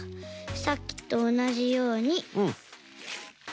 さっきとおなじようにぐるっ。